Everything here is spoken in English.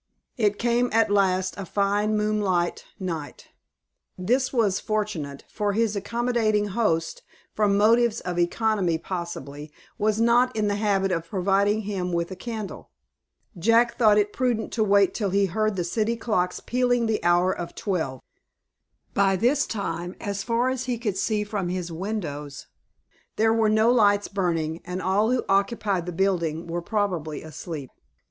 It came at last a fine moonlight night. This was fortunate, for his accommodating host, from motives of economy possibly, was not in the habit of providing him with a candle. Jack thought it prudent to wait till he heard the city clocks pealing the hour of twelve. By this time, as far as he could see from his windows, there were no lights burning, and all who occupied the building were probably asleep.